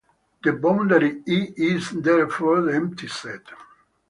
The boundary "E" is therefore the empty set.